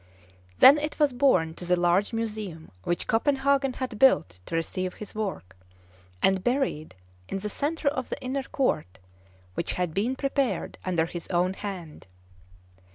Then it was borne to the large museum which Copenhagen had built to receive his work, and buried in the centre of the inner court, which had been prepared under his own hand.